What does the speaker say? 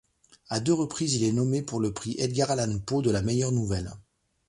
À deux reprises, il est nommé pour le prix Edgar-Allan-Poe de la meilleure nouvelle.